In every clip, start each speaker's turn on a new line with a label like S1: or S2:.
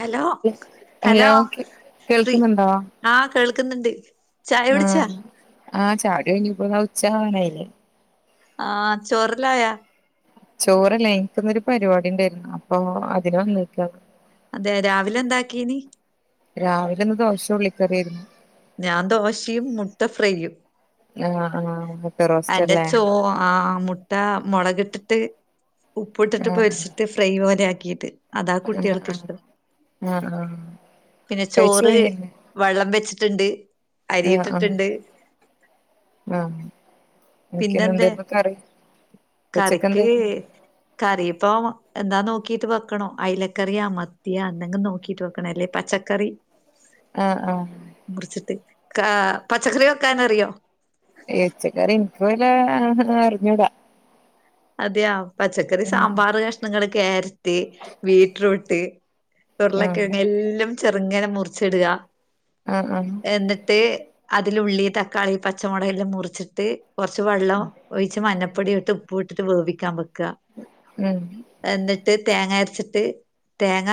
S1: Hello hello പ്രീ
S2: കേൾക്കുന്നുണ്ടോ
S1: ആഹ് കേൾക്കുന്ന്ണ്ട്.
S2: ഉം ആഹ് ചായകുടി കഴിഞ് ഇപ്പോ ദാ ഉച്ച ആവാനായില്ലേ.
S1: ആഹ് ചോറല്ലായാ?
S2: ചോറെല്ലായി എനിക്ക്ന്നൊരു പരിപാടി ണ്ടാര്ന്നു അപ്പൊ അതിന് വന്നേക്ക.
S1: അതെ രാവിലെ എന്താക്കീനി?
S2: രാവിലെന്ന് ദോശം ഉള്ളിക്കറിയേരുന്നു.
S1: ഞാൻ ദോശയും മുട്ട ഫ്രൈയ്യും.
S2: ആഹ് ആഹ് റോസ്റ്റ്
S1: എന്റെ
S2: അല്ലേ
S1: ചോ ആഹ് മുട്ട മുളകിട്ടിട്ട് ഉപ്പ് ഇട്ടിട്ട്
S2: ആഹ്
S1: പൊരിച്ച് ട്ട് ഫ്രൈ പോലെ ആക്കിട്ട് അതാ
S2: ആഹ് ആഹ്
S1: കുട്ടികൾക്കിഷ്ടം
S2: ആഹ് ആഹ്
S1: പിന്നെ
S2: കഴിച്ചു
S1: ചോറ്
S2: കഴിഞ്ഞില്ലേ
S1: വെള്ളം വെച്ചിട്ടുണ്ട്
S2: ഏ ആഹ്
S1: അരിയിട്ടിട്ടുണ്ട്
S2: ആഹ്
S1: പിന്നെന്താ
S2: നിനക്കിന്നെന്തായിരുന്നു കറി ഉച്ചക്കെന്താരുന്നു
S1: കറി ഇപ്പോ എന്താ നോക്കിട്ട് വെക്കണം അയലക്കറിയാ മത്തിയാ അന്തെങ്കിലും നോക്കിട്ട് വെ ക്കണല്ലേ പച്ചക്കറി
S2: ആഹ് ആഹ്
S1: മുറിച്ചിട്ട് കാ പച്ചക്കറി വെക്കാനറിയോ
S2: ഏയ്ച്ചക്കറി എനിക്കുവല്ലാ ആ അറിഞ്ഞൂടാ
S1: അതെയോ പച്ചക്കറി സാമ്പാറ് കഷ്ണങ്ങള് ക്യാരറ്റ് ബീറ്റ്റൂട്ട്
S2: ആഹ്
S1: ഉർളക്കെയങ്ങ് എല്ലാം ചെറുങ്ങനെ മുറിച്ചിടുക
S2: ആഹ് ആഹ്
S1: എന്നിട്ട് അതിലുള്ളി തക്കാളി പച്ചമുളക് എല്ലാം മുറിച്ചിട്ട് കുറച്ച് വെള്ളം ഒഴിച്ച് മഞ്ഞപ്പൊടിയോട്ട് ഉപ്പും ഇട്ടിട്ട് വേവിക്കാൻ വെക്കുക
S2: ഉം
S1: എന്നിട്ട് തേങ്ങ അരച്ചിട്ട് തേങ്ങ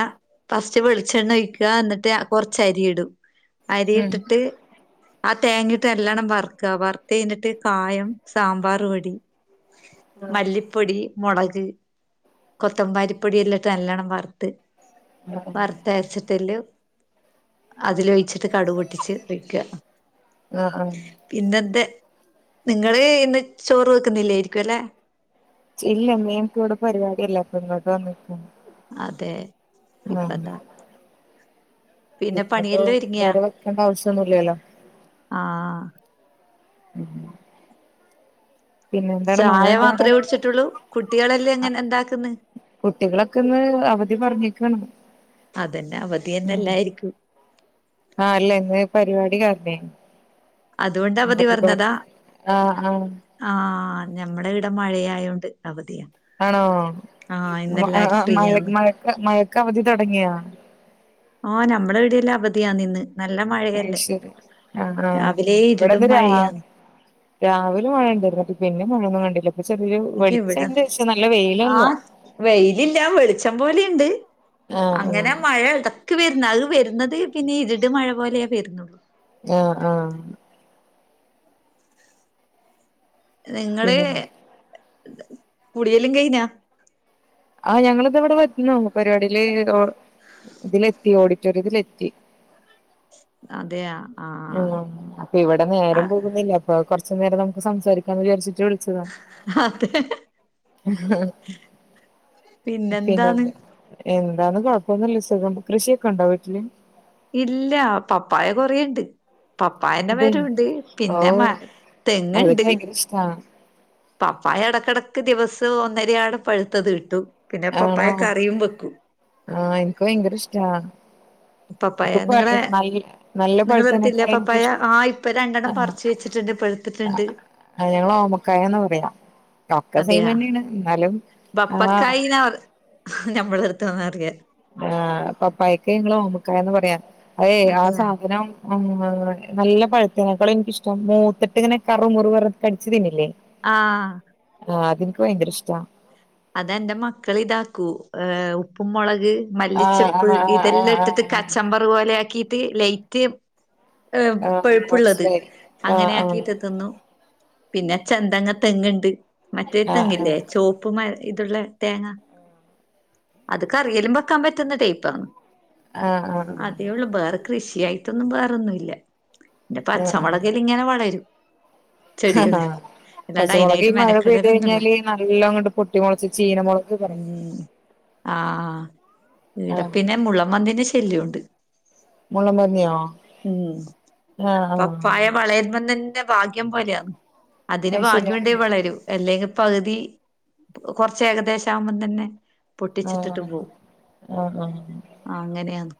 S1: ഫസ്റ്റ് വെളിച്ചെണ്ണ ഒഴിക്ക എന്നിട്ട് കൊറച്ചരി ഇടും അരി
S2: ഉം
S1: ഇട്ടിട്ട് ആ തേങ്ങിട്ട് എല്ലാണം വറുക്ക വറുത്ത് കഴിഞ്ഞിട്ട് കായം സാമ്പാറുപൊടി മല്ലിപ്പൊടി മുളക് കൊത്തമ്പാരിപ്പൊടി എല്ലാംട്ട് നല്ലവണ്ണം വറുത്ത് വറുത്തരച്ചിട്ടല് അതിലൊഴിച്ചിട്ട് കടു പൊട്ടിച്ച് വെക്കുക
S2: ആഹ് ആഹ്
S1: പിന്നെന്തേ നിങ്ങള് ഇന്ന് ചോറ് വെക്കുന്നില്ലേരിക്കും അല്ലെ
S2: ഇല്ല മേംക്കൂടെ പരിപാടിയല്ലാര്ന്നിങ്ങോ [unintelligible]
S1: അതെ ഇപ്പന്താ
S2: [unintelligible]
S1: പണിയെല്ലാം ഒരുങ്ങിയാ
S2: വേറെ വെക്കേണ്ട ആവശ്യൊന്നുല്ലല്ലോ
S1: ആഹ്
S2: ഉം പിന്നെന്താണ് മഴ ഇണ്ടോ അവിടെ
S1: ച്ചിട്ടുള്ളൂ കുട്ട്
S2: അ കുട്ടികളൊക്കെ ഇന്ന് അവധി പറഞ്ഞേക്കാണ്
S1: അതന്നെ അവധിയന്നെല്ലാരിക്കും
S2: ആഹ് അല്ലേ വേ പരിപാടി കാരണേണ്
S1: അതുകൊണ്ടവധി പറഞ്ഞതാ
S2: ആഹ് ആഹ്
S1: ആഹ് ഞമ്മടെ ഇവ്ടെ മഴയായോണ്ട് അവധിയാ
S2: ആണോ
S1: ആഹ് ഇന്നെല്ലാരും
S2: [unintelligible] മഴ
S1: ഫ്രീയാണ്
S2: മഴ മഴക്കവധി തൊടങ്ങിയാ
S1: ആഹ് ഞമ്മടവിടെയല്ലാം അവധിയാന്നിന്ന് നല്ല
S2: അത്
S1: മഴയല്ലേ
S2: ശരി ആഹ് ആഹ്
S1: രാവിലെ ഇരിടും
S2: ഇവിടെന്ന് രാ
S1: മഴയാന്നു
S2: രാവിലെ മഴയണ്ടായിരുന്നട്ട് പിന്നെ മഴയൊന്നും കണ്ടില്ല ഇപ്പൊ ചെറിയൊരു
S1: ഇതിവിട
S2: വെളിച്ചണ്ട് പക്ഷെ നല്ല
S1: ആ
S2: വെയിലല്ല
S1: വെയിലില്ല വെളിച്ചം പോലെയുണ്ട്.
S2: ആഹ് ആഹ്
S1: അങ്ങനെ മഴ എടക്ക് വരുന്ന് അത് വരുന്നത് പിന്നെ ഇരിട് മഴ പോലെയാ വരുന്നത്
S2: ആഹ് ആഹ്
S1: നിങ്ങള്
S2: പിന്നെ
S1: കുടിയെല്ലാം കയിഞ്ഞാ.
S2: ആഹ് ഞങ്ങളിത് ഇവിടെ എത്തുന്നേള്ളു പരിപാടിയില് ഒ ഇതിലെത്തി ഓഡിറ്റോറിയത്തിലെത്തി
S1: അതെയാ
S2: ആഹ് അപ്പൊ ഇവിടെ നേരം പോകുന്നില്ല അപ്പൊ കൊറച്ചു നേരം നമുക്ക് സംസാരിക്കാന്ന് വിചാരിച്ചിട്ട് വിളിച്ചതാ
S1: അതെ പിന്നെന്താന്ന്
S2: പിന്നെന്താ. എന്താന്ന് കുഴപ്പൊന്നൂല്ല സുഖം കൃഷിയൊക്കെ ഉണ്ടോ വീട്ടില്.
S1: ഇല്ല പപ്പായ കൊറേണ്ട്. പപ്പായന്റെ
S2: അതെ
S1: മരൂണ്ട് പിന്നെ
S2: ഓഹ്
S1: മ തെങ്ങ്
S2: അതൊക്കെ
S1: ണ്ട്.
S2: ഭയങ്കര ഇഷ്ടാ
S1: പപ്പായ എടക്കിടക്ക് ദിവസവും ഒന്നരയാട പഴുത്തത് കിട്ടും പിന്നെ പപ്പായ
S2: ആണോ
S1: കറിയും വെക്കു
S2: ആഹ് എനിക്ക് ഭയങ്കര ഇഷ്ടാ
S1: പപ്പായ
S2: ഇപ്പൊ പ
S1: നിങ്ങളെ
S2: നല്ല നല്ല
S1: നിങ്ങളട്ത്തില്ലെ
S2: പഴുത്തതിനേക്കാൾ
S1: പപ്പായ?
S2: എനിക്കിഷ്
S1: ആഹ് ഇപ്പ രണ്ടെണ്ണം പറിച്ച് വെച്ചിട്ട്ണ്ട്. പഴ്‌ ത്ത്ട്ട്ണ്ട്.
S2: ആഹ് ഞങ്ങൾ ഓമക്കായാന്നാ പറയാ. ഒക്കെ
S1: അതെയ
S2: സെയിമെന്നേണ്. ഇന്നാലും ആഹ്
S1: ഞമ്മളെട്ത്തുംന്നറിയ
S2: ആഹ് പപ്പായക്ക് ഞങ്ങള് ഓമക്കായാന്നാ പറയാ. അതേയ് ആ
S1: അതെയാ
S2: സാധനം ആഹ് നല്ല പഴുത്തേനേക്കാളും എനിക്കിഷ്ടം മൂത്തിട്ട് ഇങ്ങനെ കറു മുറു പർണ് കടിച്ചു തിന്നില്ലേ
S1: ആഹ്
S2: ആഹ് അതിൻക്ക് ഭയങ്കര ഇഷ്ടാ.
S1: അതെന്റെ മക്കൾ ഇതാക്കൂ ഏഹ് ഉപ്പും മുളക് മല്ലിച്ചെപ്പ്
S2: ആഹ് ആഹ്
S1: ഇതെല്ലാം
S2: ആഹ് ആഹ്
S1: ഇട്ടിട്ട്
S2: ആഹ്
S1: കച്ചമ്പർ പോലെ ആക്കിട്ട് ലൈറ്റ് ഏഹ്
S2: ആഹ് ആഹ്
S1: പുഴുപ്പുള്ളത്
S2: മനസ്സിലായി ആഹ്
S1: അങ്ങനെ
S2: ആഹ്
S1: ആക്കീട്ട് തിന്നു. പിന്നെ ചെന്തങ് തെങ്ങ് ണ്ട്. മറ്റേ
S2: ആഹ് ആഹ്
S1: തെങ്ങില്ലേ
S2: ആഹ്
S1: ചുവപ്പ് മര ഇത് ള്ള തേങ്ങ, അത് കറിയിലും വെക്കാൻ പറ്റുന്ന ടൈപ്പാണ്. അതേ ഉള്ളൂ ബേറെ കൃഷിയായിട്ടൊന്നും ബേറൊന്നുവില്ല ന്റെ
S2: ആഹ് ആഹ്
S1: പച്ചമുളകെല്ല ഇങ്ങനെ വളരും
S2: ആഹ്
S1: ചെടികള്
S2: ആഹ്
S1: അല്ലാണ്ട് അയിനായിട്ട് മെനക്കടലൊന്നുല്ല
S2: നല്ലൊംങ്ങട്ട് പൊട്ടി മുളച്ച് ചീനമൊള്
S1: ഉം ആഹ്. ഈടെ
S2: ആഹ്
S1: പിന്നെ മുള്ളംപന്നിന്റെ ശല്യ ഉണ്ട്.
S2: മുള്ളംപന്നിയൊ
S1: ഉം
S2: ആഹ് ആഹ്
S1: പപ്പായ വളരുമ്പം തന്നെ ഭാഗ്യം പോലെയാണ്. അതിന്
S2: അത്
S1: ഭാഗ്യം
S2: ശരിയാ
S1: ഉണ്ടേ വളരു അല്ലെങ്കി പകുതി കൊറച്ച് ഏകദേശം ആവുമ്പം തന്നെ പൊട്ടിച്ചിട്ടിട്ട്
S2: ആഹ്
S1: പോവും
S2: ആഹ് ആഹ്
S1: അങ്ങനെയാന്ന്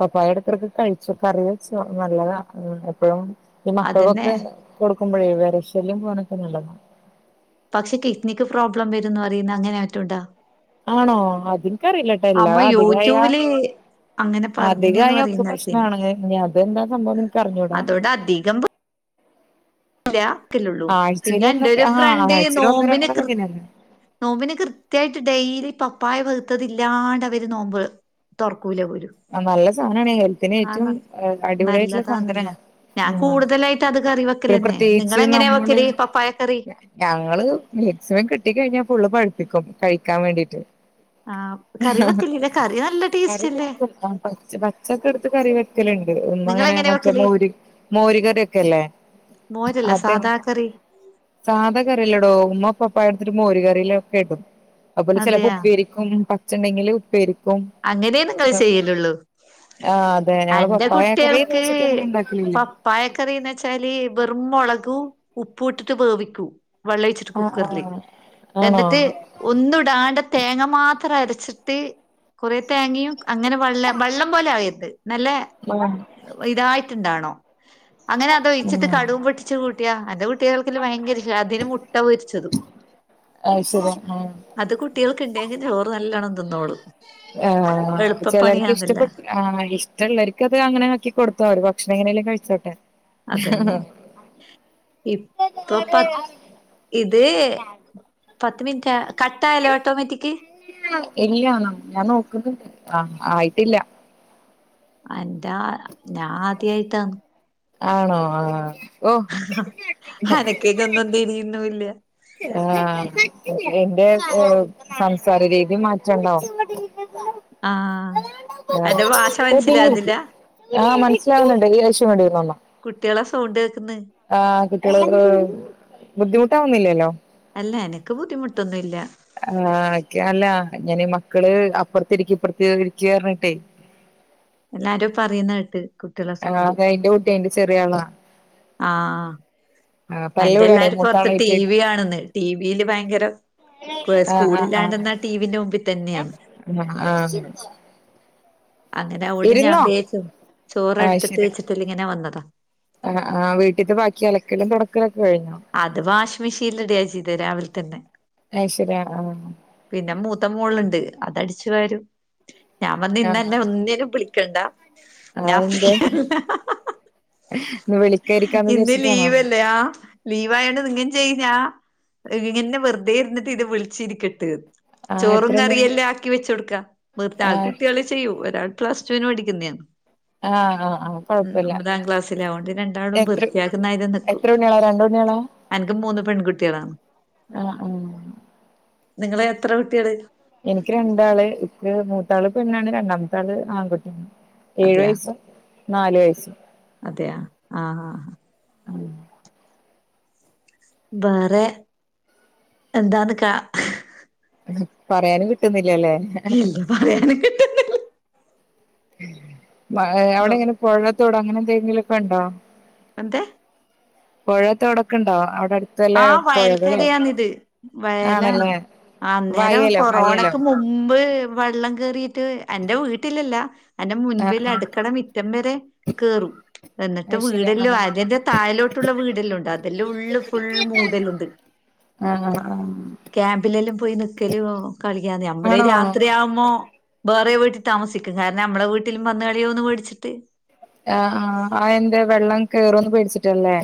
S2: പപ്പായ ഇടക്കെടക്ക് കഴിച്ചൊക്കെ കറി വെച്ചോ നല്ലതാ ഉം എപ്പഴും ഈ
S1: അതന്നെ
S2: മക്കൾക്കൊക്കെ കൊടുക്കുമ്പഴേ വെര ശല്യം പോവാനൊക്കെ നല്ലതാ.
S1: പക്ഷെ കിഡ്നിക്ക് പ്രോബ്ലം വരുന്ന് പറയുന്ന് അങ്ങനെ മറ്റോണ്ടോ
S2: ആണോ അതിൻക്കറീല്ല ട്ടോ. എല്ലാ
S1: അമ്മ
S2: അധികായാ
S1: യൂട്യൂബില് അങ്ങനെ പറഞ്ഞിനന്ന്
S2: അധികായാ ഒക്കെ
S1: പറയുന്ന കേട്ടീനി
S2: പ്രശ്നാണ്. ഇഞ് അതെന്താ സംഭവം ന്ന് ഇൻക്കറിഞ്ഞൂടാ.
S1: അതോണ്ട് ലാക്കല്ലുള്ളൂ
S2: ആഴ്ചയിൽ
S1: പിന്നെ എന്റെ
S2: ഒന്നൊക്കെ
S1: ഒരു
S2: ആ
S1: ഫ്രണ്ട്
S2: ആഴ്ചയിൽ ഒന്ന്
S1: നോമ്പിന്
S2: രണ്ടെണ്ണൊക്കെ
S1: കൃ
S2: തിന്നന്നെ
S1: നോമ്പിന് കൃത്യായിട്ട് ഡെയിലി പപ്പായ പവുത്തത് ഇല്ല്യാണ്ടവര് നോമ്പ് തൊർക്കുലാ പോലും
S2: ആഹ് നല്ല സാനാണേ. ഹെൽത്തിന് ഏറ്റവും
S1: കാരണം
S2: അടിപൊളിയായിട്ടുള്ള സാധനാ
S1: നല്ലതാന്നില്ല ഞാൻ
S2: ആ
S1: കൂടുതലായിട്ട് അത് കറി
S2: പിന്നെ
S1: വെക്കലന്നെ നിങ്ങൾ എങ്ങനെയാ വെക്കല് പപ്പായക്കറി
S2: ഞങ്ങൾ മാക്സിമം കിട്ടിക്കഴിഞ്ഞാ ഫുള്ള് പഴുപ്പിക്കും കഴിക്കാൻ വേണ്ടിട്ട്
S1: ആഹ് കറി വെക്കലില്ല കറി നല്ല ടേസ്റ്റല്ലേ.
S2: ആഹ് പച്ച പച്ചക്ക്‌ ഇട്ത്ത് കറി വെക്കല്ണ്ട്. ഉമ്മ ങ്ങനെ
S1: നിങ്ങളെങ്ങനെയാ
S2: മറ്റേ
S1: വെക്കല്
S2: മോര് മോര് കറിയൊക്കെ ല്ലേ
S1: മോരല്ല സാദാ കറി
S2: സാധാ കറിയല്ലടോ ഉമ്മ പപ്പായ എടുത്തിട്ട് മോര് കറിയിലൊക്കെ ഇടും അതുപോലെ ചിലപ്പോ
S1: അതെയാ
S2: ഉപ്പേരിക്കും പച്ചണ്ടെങ്കില് ഉപ്പേരിക്കും
S1: അങ്ങനേന്ന് ങ്ങള് ചെയ്യലുള്ളൂ.
S2: ആ അതെ ഞങ്ങള്
S1: അന്റെ
S2: പപ്പായ കറിന്ന്
S1: കുട്ടിയേൾക്ക്
S2: വെച്ചിട്ട് അങ്ങനെ ഉണ്ടാക്കലില്ല
S1: പ പ്പായ കറീന്ന് വെച്ചാല് വെറും മുളകു ഉപ്പു ഇട്ടിട്ട് വേവിക്കു വെള്ളൊയിച്ചിട്ട്
S2: ആ ആ
S1: കുക്കർല്
S2: ആണോ
S1: എന്നിട്ട് ഒന്നു ഇടാണ്ടെ തേങ്ങ മാത്രം അരച്ചിട്ട് കൊറെ തേങ്ങയും അങ്ങനെ വെള്ള വെള്ളം പോലെ ആവരുത് നല്ല
S2: ഉം
S1: ഇതായിട്ടുണ്ടാണോ! അങ്ങനെ അതൊയിച്ചിട്ട്
S2: ഉം
S1: കടുവും പൊട്ടിച്ചു കൂട്ടിയാ അന്റെ കുട്ടികൾക്ക്‌ ഭയങ്കര അതിന് മുട്ട പൊരിച്ചതും. [inaudible]
S2: അത് ശരി ആ.
S1: അത് കുട്ടികൾക്ക് ഉണ്ടെങ്കിൽ ചോറ് നല്ലാണം തിന്നോളും.
S2: ആഹ ചിലർക്ക്
S1: എളുപ്പപ്പണിയാന്നല്ല
S2: ഇഷ്ടപ്പെട്ടു. ആഹ് ഇഷ്ടമുള്ളവർക്ക് അത് അങ്ങനെ ആക്കി കൊടുത്തോള ഭക്ഷണം എങ്ങനെലിലും കഴിച്ചോട്ട
S1: അതെന്നാ ഇപ്പൊ പ ഇത് പത്ത് മിനിറ്റ് കട്ട ആയല്ലേ ഓട്ടോമാറ്റിക്
S2: ഇല്ലണം ഞാൻ നോക്കുന്നുണ്ട് ആഹ ആയിട്ടില്ല
S1: എന്റൊ ഞാൻ ആദ്യായിട്ടാണ്
S2: ആണോ ആ ആ ഓ
S1: അനക്കൊക്ക ഒന്നും തിരിയുന്നില്ല.
S2: ആഹ എന്റെ സംസാര രീതി മാറ്റണ്ടാവ
S1: ആഹ്
S2: ആ
S1: അന്റെ ഭാഷ
S2: ഓ
S1: മനസ്സിലാകുന്നില്ല
S2: പിന്നെരിക്കും ആ് മനസ്സിലാവുന്നുണ്ട് ഈ [inaudible] ലഷ്യം വേണ്ടിന്നന്ന
S1: കുട്ടികളെ സൗണ്ട് കേക്കന്ന്
S2: ആ് കുട്ടികക്ക് ബുദ്ധിമുട്ടാവുന്നില്ലല്ലോ
S1: ല്ല എനിക്ക് ബുദ്ധിമുട്ടൊന്നുമല്ല
S2: ആഹക്ക അല്ല ഞൻീ മക്കള് അപ്പുറത്തി ഇരിക്ക ഇപ്പുറത്ത ഇരിക്ക പറഞ്ഞിട്ടെ
S1: എന്നരോ പറയുന്ന കേട്ട്. കുട്ടികളെ സൗണ്ട്
S2: ആഹ്തെ അന്റെ കുട്ടിയിന്റെ ചെറിയ ആളാ
S1: ആഹ
S2: ആ തല്ല്
S1: എന്റെ
S2: കൂടാണേ
S1: എല്ലാരുംപ്പ പുറത്ത് ടി
S2: മൂത്താളായിട്ട്
S1: വി ആണന്ന് ടി വിയില് ഭയങ്കര
S2: ആ ആ ആ
S1: സ്കൂളില്ലാണ്ടെന്ന ടിവിന്റെ മുമ്പിൽ തന്നെയാണ്
S2: ആ ആ
S1: അങ്ങനെ അവിടെ ഞാൻ
S2: ഇരുന്നോ
S1: വേ ചോറ്ടുത്തിട്ട് വെച്ചിട്ട ഇങ്ങനെ വന്നതോ
S2: ആന് ആഹ് വീട്ടത്തബാക്കി അലക്കലും പറക്കലൊക്കെ കഴിഞ്ഞോ
S1: അത് വാഷി മെഷീനൽ ഇട്ക ചെയ്ത രാവിലെ തന്നെ
S2: അയ് ശരി ആഹ്
S1: പിന്നെ മൂത്ത മോളുണ്ട് അതടിച്ചു വരും ഞാൻ പറഞ്ഞ്
S2: ആഹ്
S1: ഇന്നന്നെ ഒന്നിനും വിളിക്കണ്ട ഞാൻ
S2: അതെന്തേ
S1: ഫ്രീയല്ല
S2: ഇന്ന് വിളിക്കായിരിക്കാന്ന്
S1: ഇന്ന്
S2: വിചാരിച്ചിട്ടാണോ
S1: ലീവല്ലയാ ലീവ്യാണ് നിങ്ങെ ചെയ്യഞ്ഞാ ഇങ്ങനെ വെറുതെ ഇരുന്ന ഇത് വിളിച്ചിരിക്കട്ടെ
S2: ആഹ്
S1: ചോറും
S2: എത്ര മണി
S1: കറിയെല്ലാം ആക്കി വെച്ചു കൊടുക്ക വർ ആ
S2: ആഹ്
S1: കുട്ടികള ചെയ്യൂ ഒരാൾ പ്ലസ്ടുവിന് പഠിക്കുന്നതാണ്
S2: ആഹ് ആഹ് ആഹ്
S1: ഉ
S2: കൊഴപ്പല്ല
S1: ഒമ്പതാം ക്ലാസ്സില അതൊണ്ട് രണ്ടാളം വൃത്തിയാക്കുന്ന ഇത നിക്കൂ
S2: ആ രണ്ട
S1: എനക്ക് മൂന്ന് പെൺകുട്ടികളാണ്
S2: ആഹ് ആഹ്
S1: നിങ്ങള്െ എത്ര കുട്ടികള്
S2: എനിക്ക് രണ്ടാള് ഇ മൂത്താള് പെണ്ണാണ് രണ്ടാമത്തള് ആൺകുട്ടിയാണ് ഏഴു വയസ്സും നാലു വയസ്സും
S1: അതെയ ആഹ ആഹ ബെറെ എന്താന്ന് കാ
S2: പറയാന് കിട്ടുന്നില്ലല്ലേ
S1: ഇല്ല പറയാന്
S2: അവിടെ എങ്ങനെ പുഴത്തോട അങ്ങനെ എന്തെങ്കിലുംക്കെ ഉണ്ടോ
S1: എന്ത
S2: പുഴ തോടൊക്കെണ്ടോ അവിടെടു
S1: ആ വയൽക്കരയാണിത് വയലാണ്
S2: ആണല്ലേ
S1: അന്നേരം
S2: വയലോ വയലോ
S1: കൊറോണക്ക് മുമ്പ് മുമ്പ് വെള്ളം കേറിയിട്ട്. എന്റെ വീട്ടിലല്ല
S2: ആഹ്
S1: അന്റെമുൻപിൽ
S2: ആഹ്
S1: അടുക്കള മുറ്റം വരെ കേറും എന്നിട്ട്
S2: അത് ശരി
S1: വീടെല്ലോ
S2: ആഹ്
S1: ആതന്റ താഴലോട്ടുള്ള വീടെല്ലാം ഉണ്ട് അതെല്ലാം ഉള്ളും മൂടല്ലുണ്ട്
S2: ആഹ് ആഹ്
S1: ക്യാമ്പിലെല്ലാം പോയി നിക്കല് കളിക്കാ നമ്മള്
S2: ആണോ ആഹ്
S1: രാത്രിയാവുമ്പോ വേറെ വീട്ടിൽ താമസിക്ക കാരണം നമ്മള വീട്ടിലും വന്ന്കളയോന്ന് പേടിച്ചിട്ട്
S2: ആഹ് ആഹ് അ എന്തേ വെള്ളം കേറോന്ന് പേടിച്ചിട്ടല്ലേ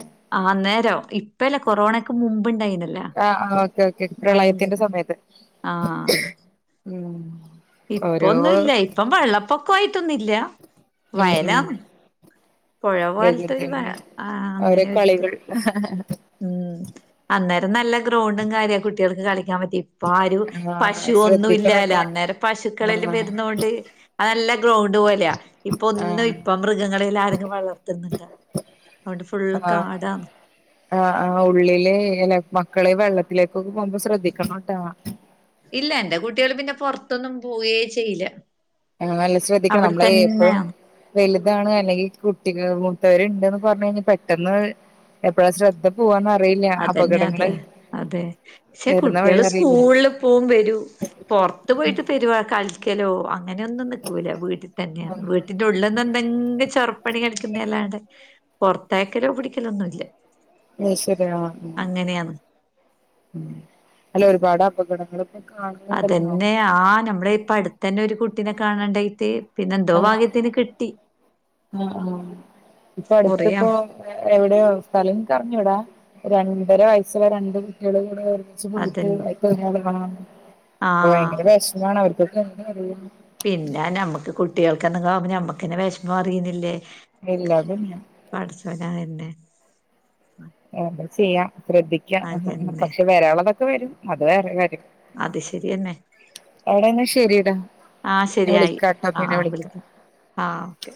S1: ആന്നേരം ഇപ്പല്ല കൊറോണയ്ക്ക് മുമ്പ്ണ്ടായിന
S2: ആഹ് ആഹ് ഓക്കെ ഓക്കെ പ്രളയത്തിന്റെ സമയത്ത് ഉം ഓരോ
S1: ഇപ്പൊന്നുല്ല ഇപ്പം വെള്ളപ്പൊക്കയിട്ടൊന്നില്ല
S2: ഉം ഉം
S1: പൊഴ പോലത്തൊരു സാ
S2: പ്രകൃതിയുടെ
S1: ആഹ്
S2: ഓരോ
S1: അങ്ങനെ ഒരുനിക്ക്
S2: കളികൾ
S1: ഉം അന്നേരം നല്ല ഗ്രൗണ്ടും കാര്യ കുട്ടികൾക്ക് കളിക്കാൻ പറ്റി ഇപ്പൊ ആരു
S2: ആഹ്
S1: പശു ഒന്നും ഇല്ലാല്ല
S2: ശ്രദ്ധിക്കണട്ടോ
S1: അന്നേരം പശുക്കളെല്ലാം
S2: ആഹ്
S1: വരുന്ന കൊണ്ട് അല്ല ഗ്രൗണ്ട് പോലെയാ ഇപ്പൊ ഒന്നും
S2: ആഹ്
S1: ഇപ്പ മൃഗങ്ങളെല്ല ആരൊ വളർത്തുന്ന്ല്ല അവണ്ട് ഫുൾ
S2: ആഹ്
S1: കാടാ
S2: ആഹ് ആഹ് ഉള്ളിലെ മക്കളെ വെള്ളത്തിലേക്കൊക്കെ പോകുമ്പോ ശ്രദ്ധിക്കണംട്ടാ
S1: ഇല്ല എന്റെ കുട്ടികള് പിന്നെ പൊറത്തൊന്നും പോവേ ചെയ്യില്ല
S2: ആഹ് നല്ല ശ്രദ്ധിക്കണം നമ്മളെ എപ്പഴും
S1: അവിടെത്തന്നെയാ
S2: വലുതാണ് അല്ലെങ്കി കുട്ടിക മൂത്തവരുണ്ട്ന്ന് പറഞ്ഞു കഴിഞ്ഞാ പെട്ടെന്ന് എ എപ്പഴാ ശ്രദ്ധ പോവാന്നറിയില്ല
S1: അതന്നെ അതെ
S2: അപകടങ്ങള്
S1: അതെ ക്ഷെ
S2: വരുന്ന വഴി
S1: കുട്ടികള്
S2: അറിയില്ല
S1: സ്കൂള് പോവും വരും പൊറത്ത് പോയിട്ട് പെരുവാ കളിക്കലോ അങ്ങനെയൊന്നും നിക്കൂല വീട്ടിൽ തന്നെയാ വീ ഇതിൻ്റെ ഉള്ളിന്നെന്തെങ്കി ചെറുപ്പണി കളിക്കുന്ന അല്ലാണ്ടെ പൊറത്തയക്കലോ പിടിക്കലൊന്നുല്ല
S2: അഹ് ശരിയാ
S1: അങ്ങനെയാണ്
S2: അല്ല ഒരുപാട് അപകടങ്ങള് ന്നെ കാണും
S1: അതന്നെ ആഹ് നമ്മളെ ഇപ്പ അടുത്തന്നെ ഒരു കുട്ടീനെ കാണാണ്ടായിട്ട് പിന്നെന്തോ
S2: ആഹ്
S1: ഭാഗ്യത്തിന് കിട്ടി
S2: ആഹ്
S1: കൊറേയ
S2: എ എവിടെയോ സ്ഥലം കറഞ്ഞു കൂടാ രണ്ടര വയസ്സ് രണ്ട് കുട്ടികൾ കൂടെ ഒരുമി ച്ച്
S1: അതന്നെ
S2: കുളിക്കുമ്പോ [unintelligible] ഭയങ്കര
S1: ആഹ്
S2: വെഷമാണ് അവർക്കൊക്കെ എന്തറിയൂ
S1: പിന്നെ നമ്മക്ക് കുട്ടികൾക്കന്നങ്കിലാകുമ്പോ ഞമ്മക്കെന്നെ വെഷമം അറിയുന്നില്ലേ
S2: ഇല്ല അതില്ല
S1: പഠച്ചോനയന്നെ
S2: എന്താ ചെയ്യാ ശ്രദ്ധിക്ക പക്ഷെ വരാള്ളതൊക്കെ വരും അത് വേറെ കാര്യം
S1: അത് ശരിയെന്നെ
S2: എവിടെ എന്നാ ശരിടാ
S1: ആഹ്
S2: ഞാൻ
S1: ശരിയായി
S2: വിളിക്കാട്ടോ പിന്നെ
S1: ആഹ്
S2: വിളിക്കാ
S1: വിളിക്കാം ആഹ് ഓക്കെ